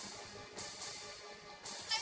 kamu sudah kabur kan